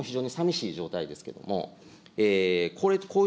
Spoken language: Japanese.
これもう非常にさみしい状態ですけれども。